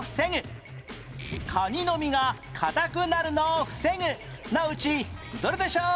カニの身が硬くなるのを防ぐのうちどれでしょう？